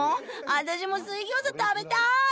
私も水餃子食べたい！